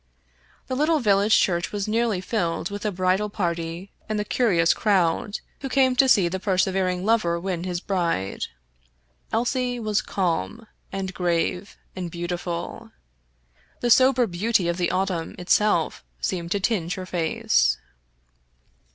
The little village church was nearly filled with the bridal party and the curi ous crowd who came to see the persevering lover win his bride. Elsie was calm, and grave, and beautiful. The sober beauty of the autumn itself seemed to tinge her face.